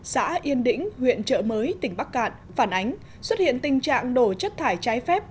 xã yên đĩnh huyện trợ mới tỉnh bắc cạn phản ánh xuất hiện tình trạng đổ chất thải trái phép